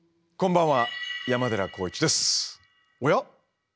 こんばんは。